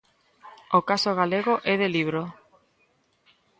O caso galego é de libro.